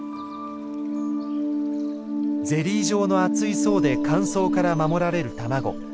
ゼリー状の厚い層で乾燥から守られる卵。